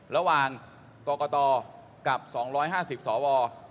ระหว่างกรกตกับ๒๕๐สว